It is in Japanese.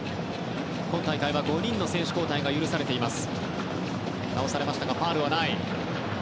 今大会は５人の選手交代が許されています。